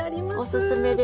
おすすめです。